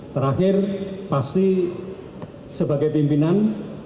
terakhir pasti sebagai pimpinan